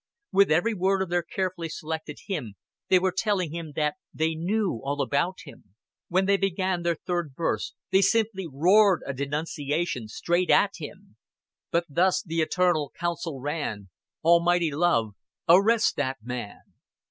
With every word of their carefully selected hymn they were telling him that they knew all about him. When they began their third verse, they simply roared a denunciation straight at him: "But thus th' eternal counsel ran: 'Almighty love, arrest that man.'"